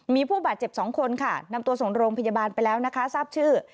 มีผู้บาดเจ็บ๒คนค่ะนำตัวส่งโรงพยาบาลไปแล้วนะคะทราบชื่อ